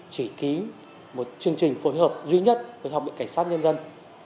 chỉ ký một chương trình phối hợp duy nhất với học viện cảnh sát nhân dân